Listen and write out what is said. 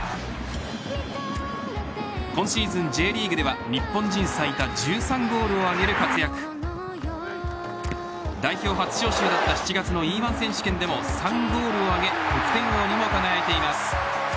今シーズンＪリーグでは日本人最多１３ゴールを挙げる活躍、代表初招集だった７月のＥ‐１選手権でも３ゴールを挙げ得点王にも輝いています。